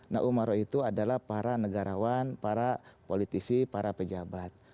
nah umaro itu adalah para negarawan para politisi para pejabat